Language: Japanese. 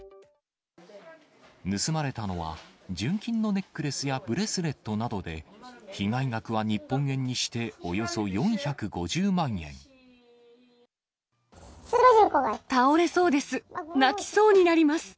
盗まれたのは、純金のネックレスやブレスレットなどで、被害額は日本円にしてお倒れそうです。